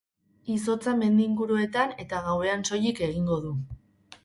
Izotza mendi inguruetan eta gauean soilik egingo du.